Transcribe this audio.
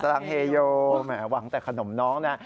ลังเฮโยแหมหวังแต่ขนมน้องนะ